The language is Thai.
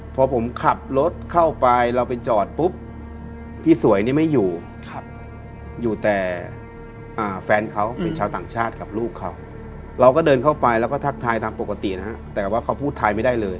พอผมขับรถเข้าไปเราไปจอดปุ๊บพี่สวยนี่ไม่อยู่อยู่แต่แฟนเขาเป็นชาวต่างชาติกับลูกเขาเราก็เดินเข้าไปแล้วก็ทักทายตามปกตินะฮะแต่ว่าเขาพูดไทยไม่ได้เลย